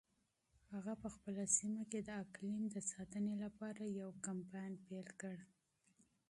هغه په خپله سیمه کې د اقلیم د ساتنې لپاره یو کمپاین پیل کړ.